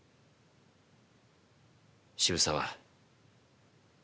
渋沢